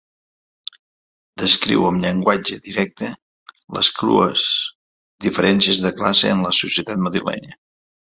Descriu amb llenguatge directe les crues diferències de classe en la societat madrilenya.